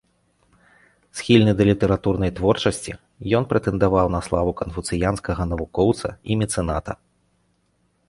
Схільны да літаратурнай творчасці, ён прэтэндаваў на славу канфуцыянскага навукоўца і мецэната.